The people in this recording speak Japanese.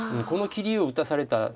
この切りを打たされた。